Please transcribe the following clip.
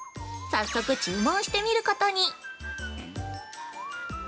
早速、注文してみることに。